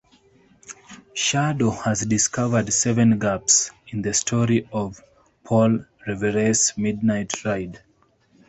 Shadow has discovered seven gaps in the story of Paul Revere's midnight ride.